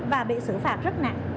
và bị xử phạt rất nặng